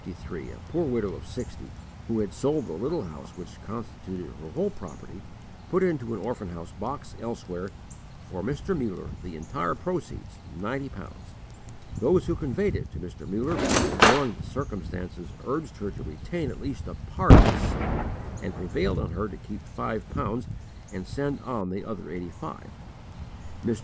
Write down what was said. _ In August, 1853, a poor widow of sixty, who had sold the little house which constituted her whole property, put into an orphan house box elsewhere, for Mr. Muller, the entire proceeds, ninety pounds. Those who conveyed it to Mr. Muller, knowing the circumstances, urged her to retain at least a part of this sum, and prevailed on her to keep five pounds and sent on the other eighty five. Mr.